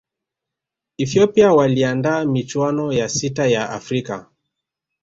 ethiopia waliandaa michuano ya sita ya afrika